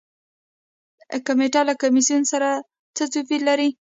کمیټه له کمیسیون سره څه توپیر لري؟